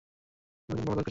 তোমার একজন বাবার দরকার ছিল।